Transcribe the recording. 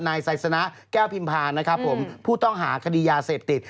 นายไสซนะแก้วพิมพาผู้ต้องหากดียาเสพติด